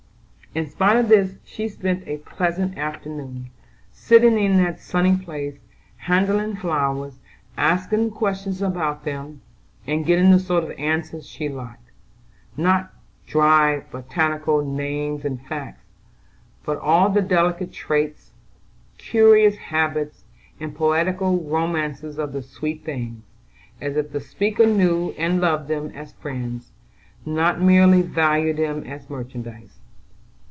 In spite of this she spent a pleasant afternoon, sitting in that sunny place, handling flowers, asking questions about them, and getting the sort of answers she liked; not dry botanical names and facts, but all the delicate traits, curious habits, and poetical romances of the sweet things, as if the speaker knew and loved them as friends, not merely valued them as merchandise.